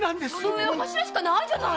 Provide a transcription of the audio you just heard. その上は頭しかないじゃない。